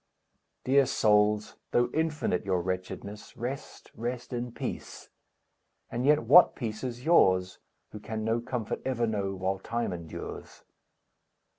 Dear souls, though infinite your wretchedness, Rest, rest in peace! And yet what peace is yours, Who can no comfort ever know While Time endures!